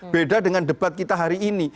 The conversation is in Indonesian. beda dengan debat kita hari ini